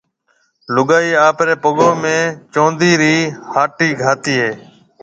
لوگائيَ آپريَ پگون ۾ چوندِي ريَ ھاٽَي گھاتيَ ھيَََ